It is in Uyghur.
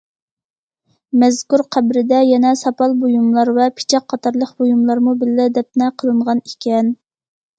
مەزكۇر قەبرىدە يەنە ساپال بۇيۇملار ۋە پىچاق قاتارلىق بۇيۇملارمۇ بىللە دەپنە قىلىنغان ئىكەن.